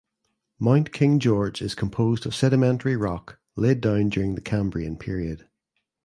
Mount King George is composed of sedimentary rock laid down during the Cambrian period.